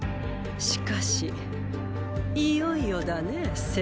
しかしいよいよだねェ政。